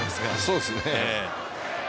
そうですね。